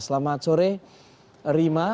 selamat sore rima